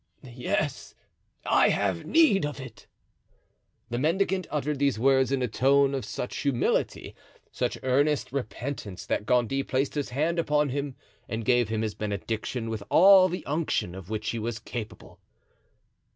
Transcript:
"Yes, I have need of it." The mendicant uttered these words in a tone of such humility, such earnest repentance, that Gondy placed his hand upon him and gave him his benediction with all the unction of which he was capable.